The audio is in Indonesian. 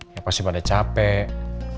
ya pasti pada capek